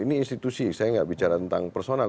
ini institusi saya nggak bicara tentang personal